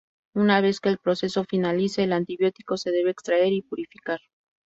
Una vez que el proceso finalice, el antibiótico se debe extraer y purificar.